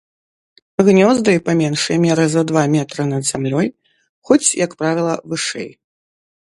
Гнёзды, па меншай меры за два метры над зямлёй, хоць, як правіла, вышэй.